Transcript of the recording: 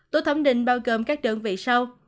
tổ thẩm định bao gồm các đơn vị sau